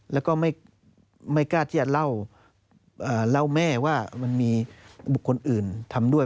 แล้วก็ไม่กล้าที่จะเล่าเล่าแม่ว่ามันมีบุคคลอื่นทำด้วย